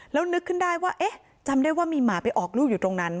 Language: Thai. แล้วนึกขึ้นได้ว่าเอ๊ะจำได้ว่ามีหมาไปออกลูกอยู่ตรงนั้น